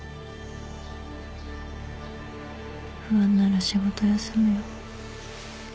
不安なら仕事休むよ。